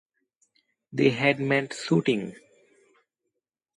They had meant shooting.